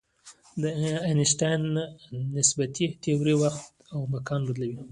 د آینشټاین نسبیتي تیوري وخت او مکان بدلوي.